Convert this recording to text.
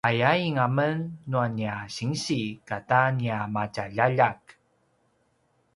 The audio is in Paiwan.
ayain amen nua nia sinsi kata nia matjaljaljak